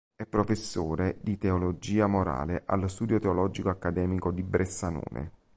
È professore di Teologia morale allo Studio Teologico Accademico di Bressanone.